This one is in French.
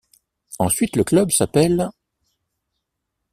Ensuite, le club s'appelle '.